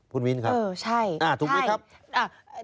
คุณวินครับถูกไหมครับอ่าใช่ใช่อ่ะ